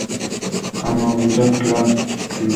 আমি, officer Krupke?